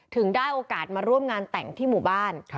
ถึงได้โอกาสมาร่วมงานแต่งที่หมู่บ้าน